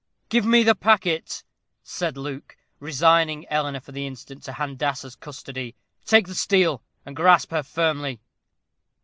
"Give me the packet," said Luke, resigning Eleanor for the instant to Handassah's custody "take the steel, and grasp her firmly."